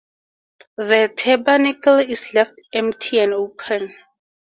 The tabernacle is left empty and open.